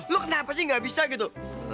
lo kenapa sih gak bisa gitu